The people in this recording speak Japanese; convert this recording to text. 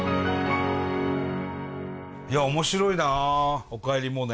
いや面白いな「おかえりモネ」。